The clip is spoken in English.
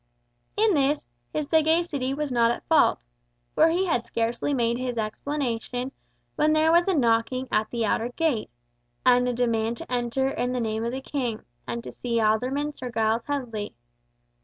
In this, his sagacity was not at fault, for he had scarcely made his explanation, when there was a knocking at the outer gate, and a demand to enter in the name of the King, and to see Alderman Sir Giles Headley.